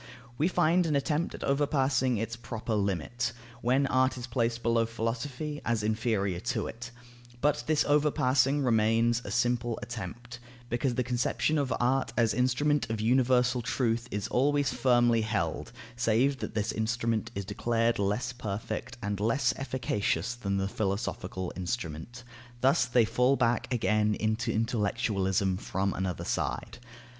We find an attempt at overpassing its proper limit, when art is placed below philosophy, as inferior to it; but this overpassing remains a simple attempt, because the conception of art as instrument of universal truth is always firmly held; save that this instrument is declared less perfect and less efficacious than the philosophical instrument. Thus they fall back again into intellectualism from another side.